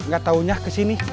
gak taunya kesini